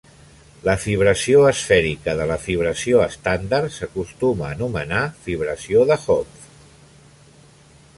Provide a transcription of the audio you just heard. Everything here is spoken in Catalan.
La fibració esfèrica de la fibració estàndar s'acostuma a anomenar fibració de Hopf.